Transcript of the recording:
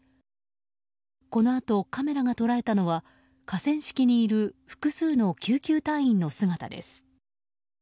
このあと、カメラが捉えたのは河川敷にいる複数の救急隊員の姿です。